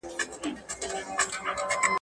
دوې میاشتي مو وتلي دي ریشتیا په کرنتین کي.